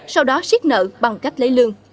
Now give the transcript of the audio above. sau đó siết nợ bằng cách lấy lương